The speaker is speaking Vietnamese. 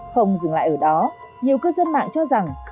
không dừng lại ở đó nhiều cư dân mạng cho rằng